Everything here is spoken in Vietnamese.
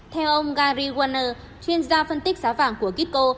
theo ông gary warner chuyên gia phân tích giá vàng của kiko